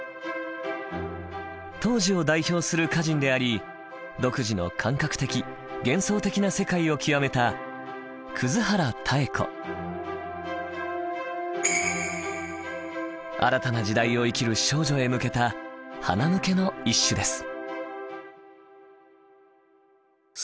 当時を代表する歌人であり独自の感覚的幻想的な世界を極めた新たな時代を生きる少女へ向けたはなむけの一首です。